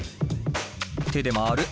手で回る。